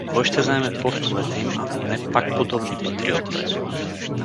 Кой ще заеме постовете им, ако не пак подобни патриоти?